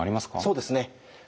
そうですね。